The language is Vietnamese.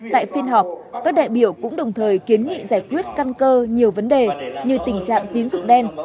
tại phiên họp các đại biểu cũng đồng thời kiến nghị giải quyết căn cơ nhiều vấn đề như tình trạng tín dụng đen